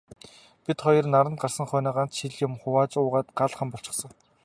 Бид хоёр наранд гарсан хойноо ганц шил юм хувааж уугаад гал хам болчихсон.